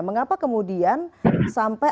mengapa kemudian sampai